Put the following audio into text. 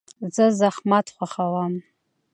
زه زحمت خوښوم.